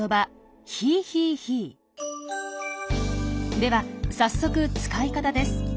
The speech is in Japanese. では早速使い方です。